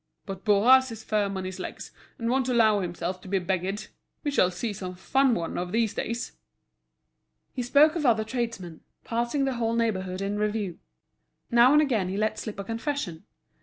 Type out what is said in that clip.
But Bourras is firm on his legs, and won't allow himself to be beggared. We shall see some fun one of these days." He spoke of other tradesmen, passing the whole neighbourhood in review. Now and again he let slip a confession.